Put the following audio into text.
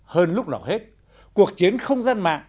hơn lúc nào hết cuộc chiến không gian mạng